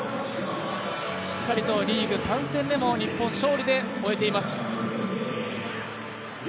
しっかりとリーグ３戦目も日本、勝利で終えています。